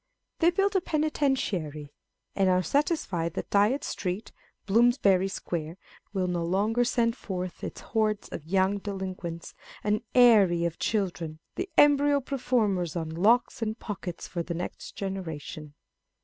They build a Penitentiary, and are satisfied that Dyot Street, Bloomsbury Square,1 will no longer send forth its hordes of young delinquents, " an aerie of children," the embryo performers on locks and pockets for the next generation.